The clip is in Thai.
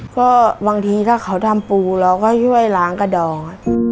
ก็บางทีถ้าเขาทำปูเราก็ช่วยล้างกระดอง